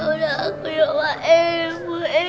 owe tidak bisa bales kebaikan mereka kang